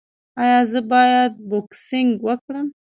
ایا زه باید بوکسینګ وکړم؟